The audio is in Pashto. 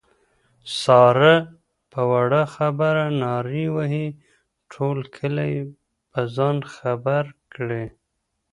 ساره په وړه خبره نارې وهي ټول کلی په ځان خبر کړي.